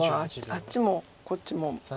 あっちもこっちも。